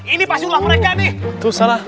ini pasti ulah mereka nih